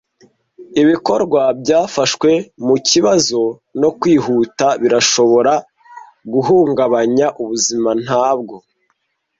Ibikorwa byafashwe mukibazo no kwihuta birashobora guhungabanya ubuzima ntabwo